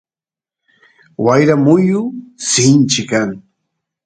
wayra muyu sinchi kan